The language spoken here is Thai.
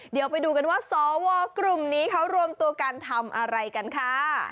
เดี๋ยวไปดูกันว่าสวกลุ่มนี้เขารวมตัวกันทำอะไรกันค่ะ